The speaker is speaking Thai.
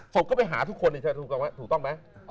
ศพก็ไปหาทุกคนถูกต้องไหม